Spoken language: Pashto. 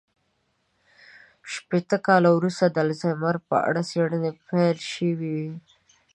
شپېته کاله وروسته د الزایمر په اړه څېړنې پيل شوې وې.